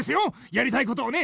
やりたいことをね